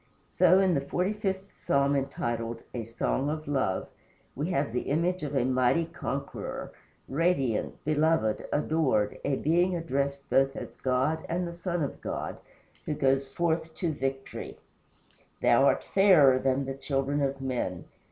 So, in the forty fifth Psalm, entitled "A Song of Love," we have the image of a mighty conqueror radiant, beloved, adored, a being addressed both as God and the Son of God, who goes forth to victory: "Thou art fairer than the children of men.